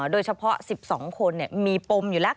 โดยเฉพาะ๑๒คนมีปมอยู่แล้ว